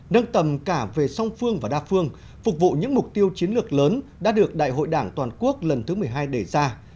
nâng tầm cả về song phương và đa phương phục vụ những mục tiêu chiến lược lớn đã được đại hội đảng toàn quốc lần thứ một mươi hai đề ra